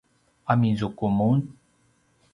amizuku mun?